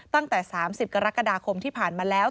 ตั้งแต่๓๐กรกฎาคมที่ผ่านมาแล้ว